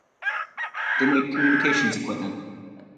They made communications equipment.